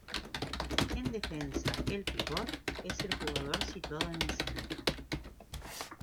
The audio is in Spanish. En defensa, el pivote es el jugador situado en el centro.